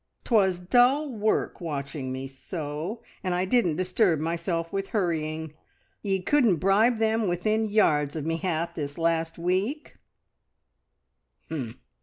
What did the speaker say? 'Twas dull work watching me sew, and I didn't disturb myself with hurrying. Ye couldn't bribe them within yards of me hat this last week!"